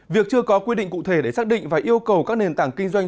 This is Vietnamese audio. việc chưa có quy định cụ thể để xác định và yêu cầu các nền tảng kinh doanh